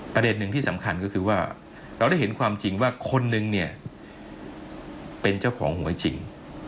ประเด็นหนึ่งที่สำคัญก็คือว่าเราได้เห็นความจริงว่าคนนึงเนี่ยเป็นเจ้าของหวยจริง